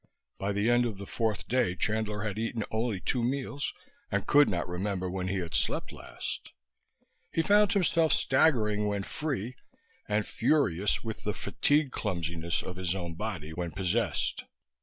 By the end of the fourth day Chandler had eaten only two meals and could not remember when he had slept last. He found himself staggering when free, and furious with the fatigue clumsiness of his own body when possessed.